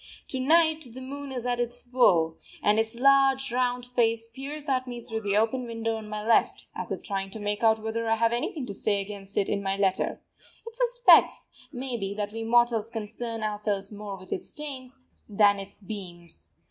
To night the moon is at its full, and its large, round face peers at me through the open window on my left, as if trying to make out whether I have anything to say against it in my letter, it suspects, maybe, that we mortals concern ourselves more with its stains than its beams.